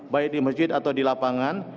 baik di masjid atau di lapangan